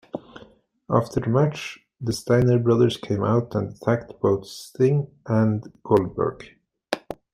After the match, the Steiner Brothers came out and attacked both Sting and Goldberg.